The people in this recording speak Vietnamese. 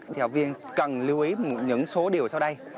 thì học viên cần lưu ý những số điều sau đây